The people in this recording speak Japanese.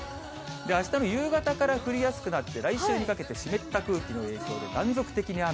あしたの夕方から降りやすくなって、来週にかけて湿った空気の影響で断続的に雨。